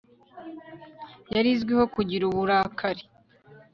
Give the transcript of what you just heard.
yari izwiho kugira uburakari